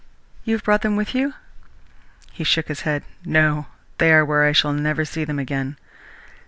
"You have brought them with you?" He shook his head. "No! They are where I shall never see them again."